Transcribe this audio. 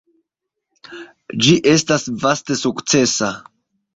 Ĝi estas vaste sukcesa.